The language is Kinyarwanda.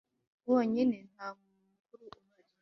bonyine ntamuntu mukuru uhari